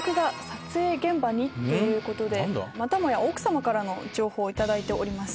またもや奥様からの情報を頂いてます。